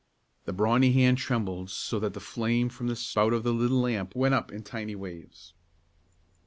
The brawny hand trembled so that the flame from the spout of the little lamp went up in tiny waves.